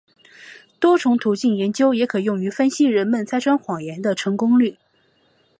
多重途径研究也可用于分析人们拆穿谎言的成功率。